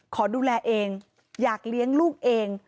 ขอดูแลเองอยากเลี้ยงลูกเอง